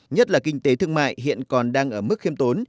nhất là kinh tế thương mại hiện còn đang ở mức khiêm tốn